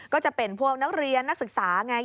ก็จะเป็นพวกนักเรียนนักศึกษาไง